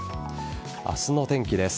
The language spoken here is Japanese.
明日の天気です。